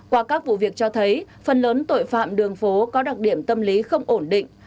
qua các vụ việc cho thấy phần lớn tội phạm đường phố có đặc điểm tâm lý không ổn định